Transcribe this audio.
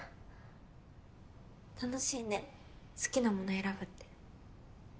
楽しいね好きなもの選ぶって。